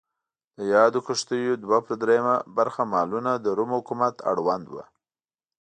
د یادو کښتیو دوه پر درېیمه برخه مالونه د روم حکومت اړوند و.